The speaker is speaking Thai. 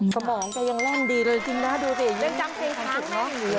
สมองก็ยังเร่งดีเลยดูสิยังจำเป็นครั้งแม่งเลย